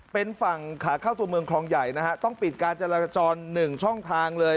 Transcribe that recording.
เป็นฝั่งขาเข้าตัวเมืองคลองใหญ่นะฮะต้องปิดการจราจร๑ช่องทางเลย